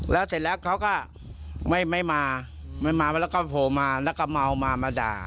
แล้วเสร็จแล้วเขาก็ไม่มาไม่มาแล้วก็โผล่มาแล้วก็เมามามาด่า